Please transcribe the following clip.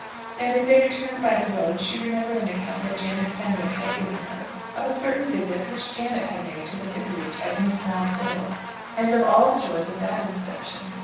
Then, as they returned by the road, she remembered an account that Janet Fenwick had given her of a certain visit which Janet had made to the vicarage as Miss Balfour, and of all the joys of that inspection.